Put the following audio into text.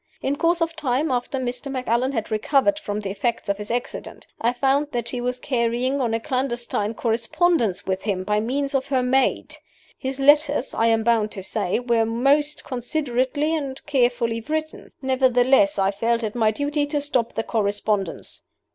In course of time after Mr. Macallan had recovered from the effects of his accident I found that she was carrying on a clandestine correspondence with him by means of her maid. His letters, I am bound to say, were most considerately and carefully written. Nevertheless, I felt it my duty to stop the correspondence.